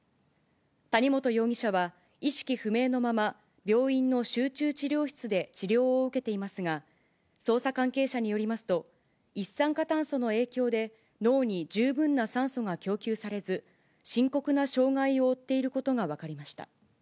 谷本容疑者は、意識不明のまま病院の集中治療室で治療を受けていますが、捜査関係者によりますと、一酸化炭素の影響で、脳に十分な酸素が供給されず、深刻な障がいを負っていることが分かりました。